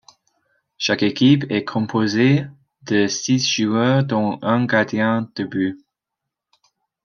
Chaque équipe est composée de six joueurs dont un gardien de but.